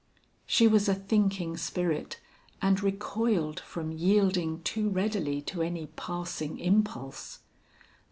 She was a thinking spirit and recoiled from yielding too readily to any passing impulse.